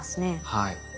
はい。